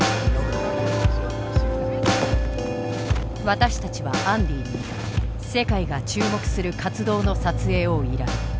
私たちはアンディに世界が注目する活動の撮影を依頼。